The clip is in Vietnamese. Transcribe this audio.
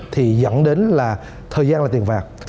thì dẫn đến là thời gian là tiền vạt